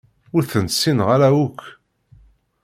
Ur tent-ssineɣ ara akk.